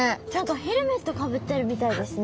ヘルメットかぶってるみたいですね。